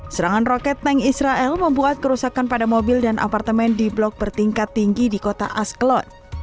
serangan roket tank israel membuat kerusakan pada mobil dan apartemen di blok bertingkat tinggi di kota askelon